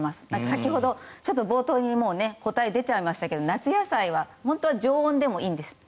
先ほど、冒頭に答え出ちゃいましたけど夏野菜は本当は常温でもいいんです。